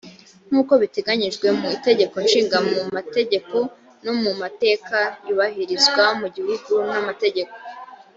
nk uko biteganijwe mu itegeko nshinga mu mategeko no mu mateka yubahirizwa mu gihugu n amategeko